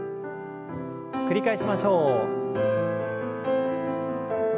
繰り返しましょう。